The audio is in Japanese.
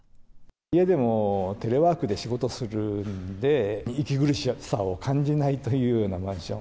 家でもテレワークで仕事するんで、息苦しさを感じないというようなマンション。